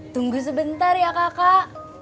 tunggu sebentar ya kakak